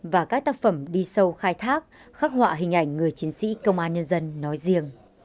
và các tác phẩm đi sâu khai thác khắc họa hình ảnh người chiến sĩ công an nhân dân nói riêng